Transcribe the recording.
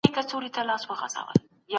ارغنداب د کلتوري میراث یوه برخه ده.